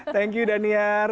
thank you daniar